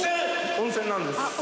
温泉なんです。